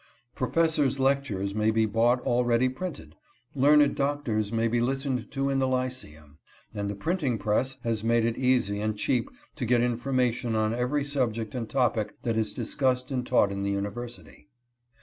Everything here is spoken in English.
Professors' lectures may be bought already printed, learned doctors may be listened to in the lyceum, and the printing press has made it easy and cheap to get information on every subject and topic that is discussed and taught in the university.